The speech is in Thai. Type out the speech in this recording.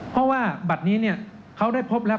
เพราะว่าบัตรนี้เขาได้พบแล้ว